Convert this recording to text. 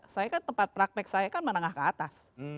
saya kan tempat praktek saya kan menengah ke atas